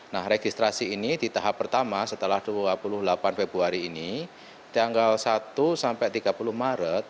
nah registrasi ini di tahap pertama setelah dua puluh delapan februari ini tanggal satu sampai tiga puluh maret